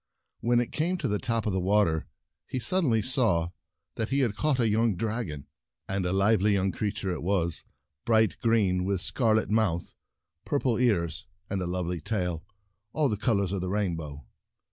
When it came to the top of the water, he suddenly saw that he had caught a young dragon. And a lively young creature it was, bright green, with a scarlet mouth, purple ears, and a love ly tail, all the colors of the rain bow.